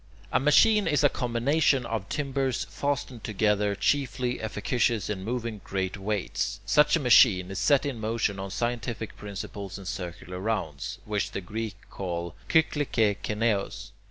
A machine is a combination of timbers fastened together, chiefly efficacious in moving great weights. Such a machine is set in motion on scientific principles in circular rounds, which the Greeks call [Greek: kyklike kineois].